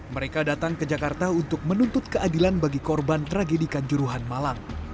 mereka datang ke jakarta untuk menuntut keadilan bagi korban tragedi kanjuruhan malang